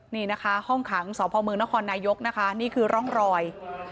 นี่นะคะห้องขังสพมนครนายกนะคะนี่คือร่องรอย